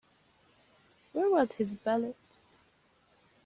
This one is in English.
Where was his valet?